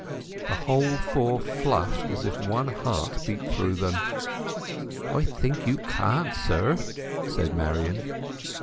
The whole four flushed as if one heart beat through them. "I think you can't, sir," said Marian.